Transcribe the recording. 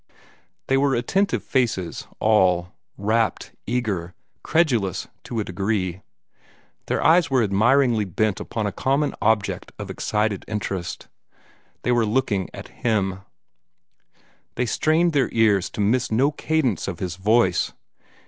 They were attentive faces all, rapt, eager, credulous to a degree. Their eyes were admiringly bent upon a common object of excited interest. They were looking at HIM; they strained their ears to miss no cadence of his voice.